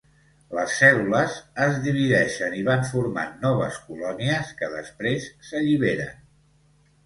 Les cèl·lules es divideixen i van formant noves colònies, que després s'alliberen.